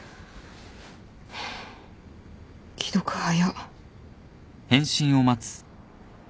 既読早っ。